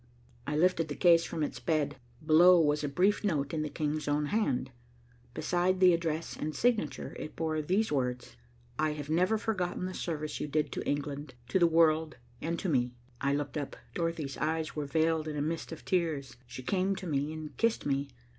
I lifted the case from its bed. Below was a brief note in the King's own hand. Beside the address and signature, it bore these words: "I have never forgotten the service you did to England, to the world, and to me." I looked up. Dorothy's eyes were veiled in a mist of tears. She came to me and kissed me.